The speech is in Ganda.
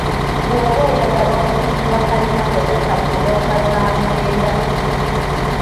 Bwoba oyagala okuzimba kkalina kozesa bbulooka za mwenda.